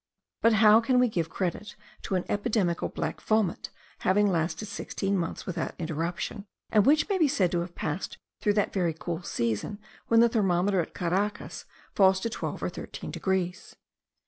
But how can we give credit to an epidemical black vomit, having lasted sixteen months without interruption, and which may be said to have passed through that very cool season when the thermometer at Caracas falls to twelve or thirteen degrees?